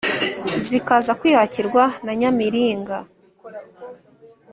zikaza kwihakirwa na nyamiringa.